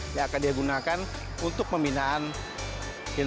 dia akan digunakan untuk pembinaan giliran